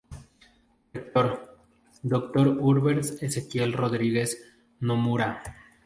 Rector: Dr. Hubert Ezequiel Rodríguez Nomura.